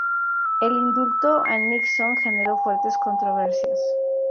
El indulto a Nixon generó fuertes controversias.